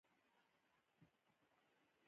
ملنګ لکه چې زما د زړه خبره اورېدلې وي.